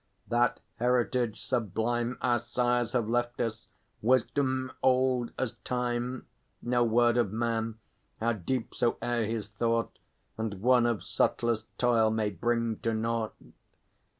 That heritage sublime Our sires have left us, wisdom old as time, No word of man, how deep soe'er his thought And won of subtlest toil, may bring to naught.